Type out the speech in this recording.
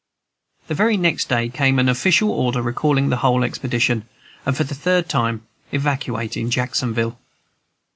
The very next day came an official order recalling the whole expedition, and for the third time evacuating Jacksonville.